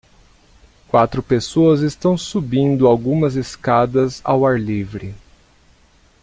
Quatro pessoas estão subindo algumas escadas ao ar livre.